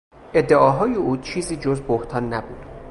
ادعاهای او چیزی جز بهتان نبود.